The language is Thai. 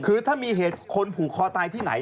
คือถ้ามีเหตุคนผูกคอตายที่ไหน